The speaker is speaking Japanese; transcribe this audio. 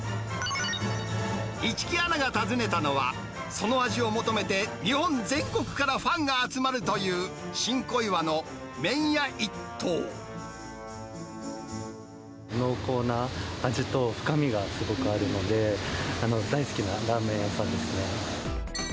市來アナが訪ねたのは、その味を求めて日本全国からファンが集まるという、新小岩の麺屋濃厚な味と深みがすごくあるので、大好きなラーメン屋さんですね。